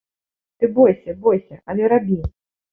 Ты бойся, бойся, але рабі.